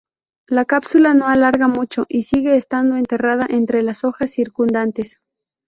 La cápsula no alarga mucho, y sigue estando enterrada entre las hojas circundantes.